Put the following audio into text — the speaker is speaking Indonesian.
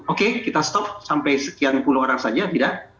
oke kita stop sampai sekian puluh orang saja tidak